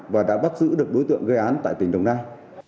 và đã bắt giữ được đối tượng gây án tại tỉnh đồng nai